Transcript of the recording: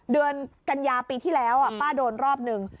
เดือนกัญญาปีที่แล้วป้าโดนรอบหนึ่ง